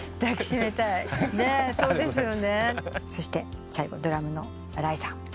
そして最後ドラムの荒井さん。